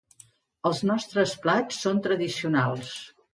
Els nostres plats són tradicionals.